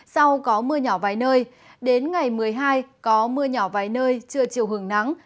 sau có mưa nhỏ vài nơi đến ngày một mươi hai có mưa nhỏ vài nơi chưa chiều hưởng nắng